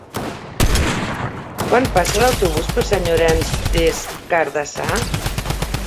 Quan passa l'autobús per Sant Llorenç des Cardassar?